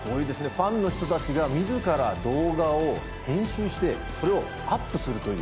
ファンの人たちが自ら動画を編集してそれをアップするという。